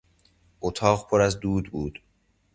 اتاق پر از دود بود.